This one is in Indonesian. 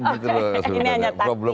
ini hanya tadi